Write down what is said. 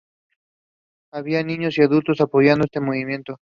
Había niños y adultos apoyando este movimiento.